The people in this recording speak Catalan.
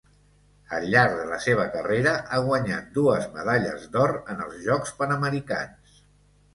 Al llarg de la seva carrera ha guanyat dues medalles d'or en els Jocs Panamericans.